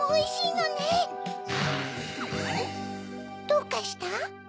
どうかした？